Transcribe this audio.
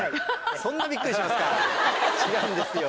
そんなビックリしますか違うんですよ。